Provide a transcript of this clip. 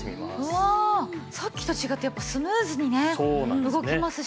うわっさっきと違ってやっぱスムーズにね動きますしね。